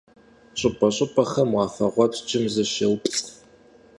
ЩӀыпӀэ-щӀыпӀэхэм уафэхъуэпскӀым зыщеупцӀ.